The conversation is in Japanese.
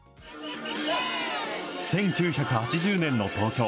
１９８０年の東京。